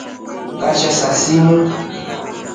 Ngatrekwa simu.